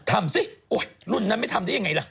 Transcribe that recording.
ทำสิรุ่นนั้นไม่ทำได้ยังไงล่ะ